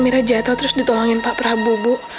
mira jatuh terus ditolongin pak prabu